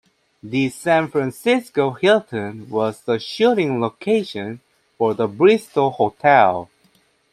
The San Francisco Hilton was the shooting location for the "Bristol Hotel".